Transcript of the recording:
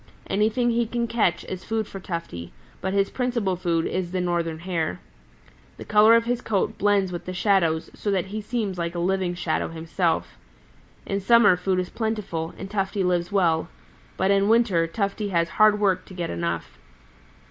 Anything he can catch is food for Tufty, but his principal food is the Northern Hare. The color of his coat blends with the shadows so that he seems like a living shadow himself. In summer food is plentiful, and Tufty lives well, but in winder Tufty has hard work to get enough.